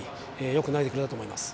よく投げてくれたと思います。